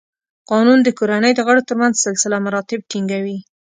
قانون د کورنۍ د غړو تر منځ سلسله مراتب ټینګوي.